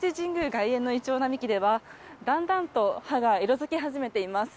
外苑のイチョウ並木ではだんだんと葉が色づき始めています。